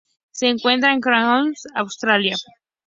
Se encuentra en Queensland, Australia.